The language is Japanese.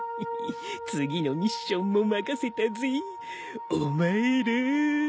次のミッションも任せたぜお前ら。